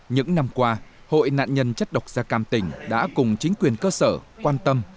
những năm qua hội nạn nhân chất độc da cam tỉnh đã cùng chính quyền cơ sở quan tâm